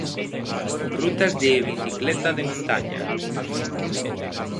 Rutas de bicicleta de montaña.